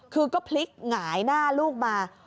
คือก็พลิกหงายหน้าลูกมา